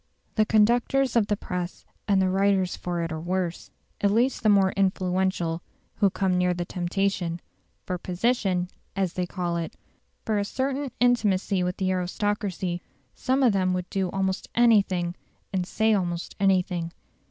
The conductors of the press and the writers for it are worse at least the more influential who come near the temptation; for "position," as they call it, for a certain intimacy with the aristocracy, some of them would do almost anything and say almost anything.